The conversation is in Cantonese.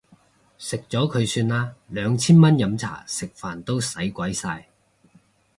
食咗佢算啦，兩千蚊飲茶食飯都使鬼晒